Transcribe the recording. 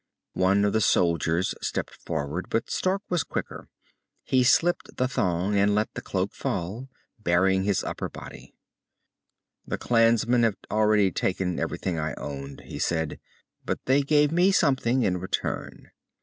One of the soldiers stepped forward, but Stark was quicker. He slipped the thong and let the cloak fall, baring his upper body. "The clansmen have already taken everything I owned," he said. "But they gave me something, in return."